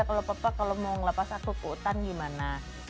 kalau papa kalau mau ngelepas aku ke hutan gimana